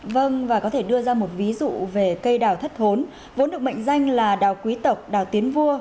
vâng và có thể đưa ra một ví dụ về cây đào thất thốn vốn được mệnh danh là đào quý tộc đào tiến vua